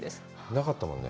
なかったもんね。